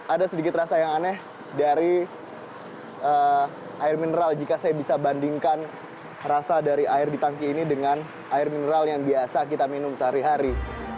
ada sedikit rasa yang aneh dari air mineral jika saya bisa bandingkan rasa dari air di tangki ini dengan air mineral yang biasa kita minum sehari hari